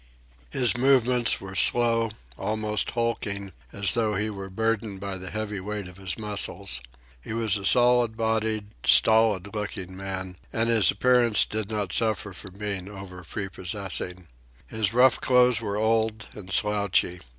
His movements were slow, almost hulking, as though he were burdened by the heavy weight of his muscles. He was a solid bodied, stolid looking man, and his appearance did not suffer from being overprepossessing. His rough clothes were old and slouchy.